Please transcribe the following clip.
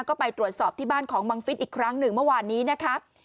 ก็ไปตรวจสอบที่บ้านของบังฟิศอีกครั้งหนึ่งเมื่อวานนี้นะคะ